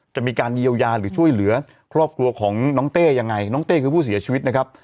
จะมีการเยียวยาหรือช่วยเหลือครอบครัวของน้องเต้ยังไงน้องเต้คือผู้เสียชีวิตนะครับ